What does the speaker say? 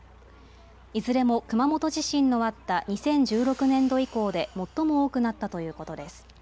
いずれも熊本地震のあった２０１６年度以降で最も多くなったということです。